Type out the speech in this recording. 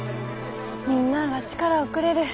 みんなあが力をくれる。